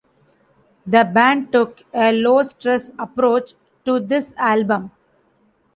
The band took a low-stress approach to this album.